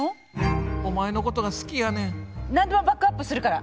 何でもバックアップするから。